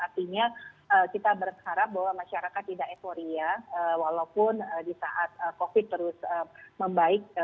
artinya kita berharap bahwa masyarakat tidak euforia walaupun di saat covid terus membaik